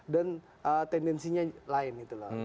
dan tendensinya lain gitu lah